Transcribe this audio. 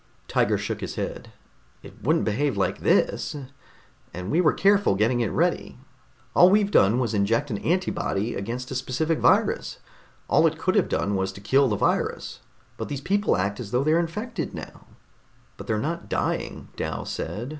Tiger shook his head. "It wouldn't behave like this. And we were careful getting it ready. All we've done was inject an antibody against a specific virus. All it could have done was to kill the virus, but these people act as though they're infected now." "But they're not dying," Dal said.